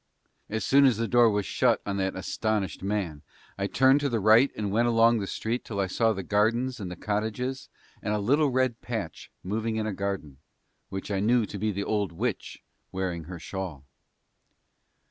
As soon as the door was shut on that astonished man I turned to the right and went along the street till I saw the gardens and the cottages, and a little red patch moving in a garden, which I knew to be the old witch wearing her shawl.